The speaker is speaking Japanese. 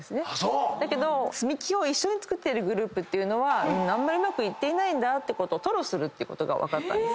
だけど積み木を一緒に作ってるグループはあんまりうまくいってないって吐露するってことが分かった。